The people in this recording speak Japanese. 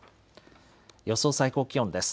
予想最高気温です。